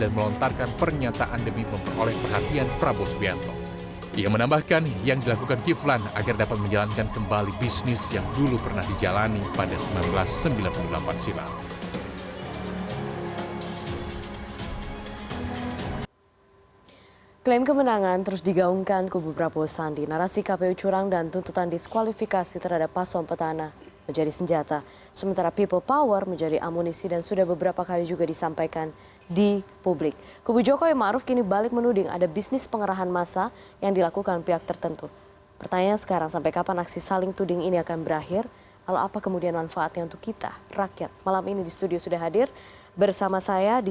menurut andi arief kepada cnn indonesia com dulu kiflan zen merupakan komandan bisnis pam swakarsa bentukan abri